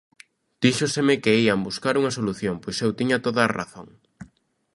Díxoseme que ían buscar unha solución, pois eu tiña toda a razón.